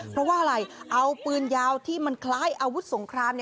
เพราะว่าอะไรเอาปืนยาวที่มันคล้ายอาวุธสงคราม